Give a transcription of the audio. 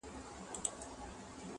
ملت ړوند دی د نجات لوری یې ورک دی،